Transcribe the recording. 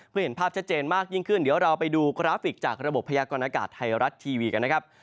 เพื่อเห็นภาพชัดเจนมากยิ่งขึ้นเดี๋ยวเราไปดูกราฟิกจากระบบพยากรณากาศไทยรัฐทีวีกันนะครับ